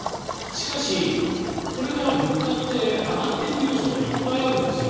しかし、これから物価って上がっていく要素がいっぱいあるんですよ。